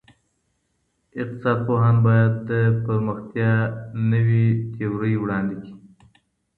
اقتصاد پوهان باید د پرمختیا نوي تیورۍ وړاندې کړي.